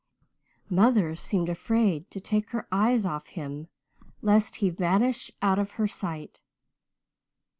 Mother seemed afraid to take her eyes off him lest he vanish out of her sight.